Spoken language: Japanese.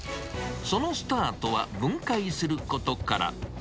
そのスタートは分解することから。